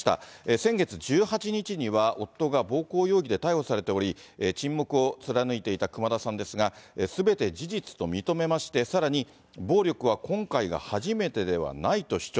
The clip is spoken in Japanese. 先月１８日には、夫が暴行容疑で逮捕されており、沈黙を貫いていた熊田さんですが、すべて事実と認めまして、さらに、暴力は今回が初めてではないと主張。